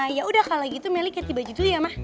yaudah kalau gitu melly ganti baju dulu ya ma